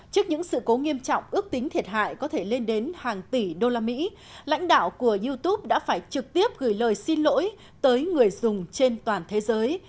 trước những sự cố nghiêm trọng ước tính thiệt hại có thể lên đến hàng tỷ đô la mỹ lãnh đạo của youtube đã phải trực tiếp gửi lời xin lỗi tới người dùng trên toàn thế giới